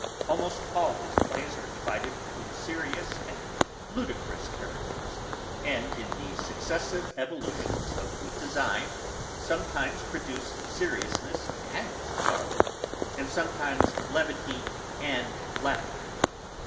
Almost all his plays are divided between serious and ludicrous characters, and, in the successive evolutions of the design, sometimes produce seriousness and sorrow, and sometimes levity and laughter.